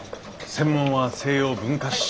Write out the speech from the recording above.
専門は西洋文化史。